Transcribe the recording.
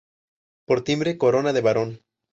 Por timbre, corona de barón.